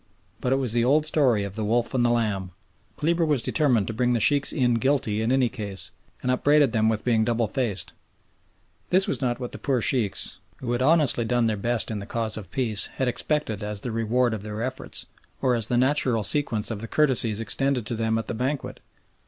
But it was the old story of the wolf and the lamb. Kleber was determined to bring the Sheikhs in guilty in any case, and upbraided them with being double faced. This was not what the poor Sheikhs, who had honestly done their best in the cause of peace, had expected as the reward of their efforts, or as the natural sequence of the courtesies extended to them at the banquet.